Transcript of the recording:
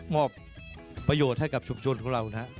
มอบประโยชน์ให้กับชุมชนของเรานะครับ